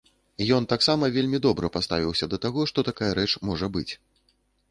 Ён таксама вельмі добра паставіўся да таго, што такая рэч можа быць.